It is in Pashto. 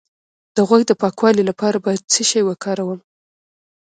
د غوږ د پاکوالي لپاره باید څه شی وکاروم؟